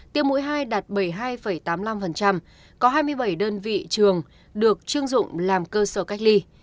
tiêm mũi hai đạt bảy mươi hai tám mươi năm có hai mươi bảy đơn vị trường được chưng dụng làm cơ sở cách ly